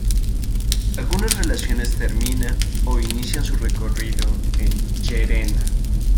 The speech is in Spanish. Algunas relaciones terminan o inician su recorrido en Llerena.